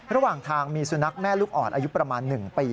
ระหว่างทางมีสุนัขแม่ลูกอ่อนอายุประมาณ๑ปี